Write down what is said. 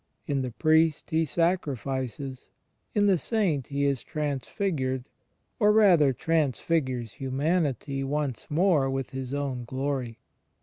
In the Priest He sacrifices; in the Saint He is transfigured — or, rather, transfigures humanity once more with His own glory.